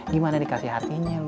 gimana dikasih hatinya lu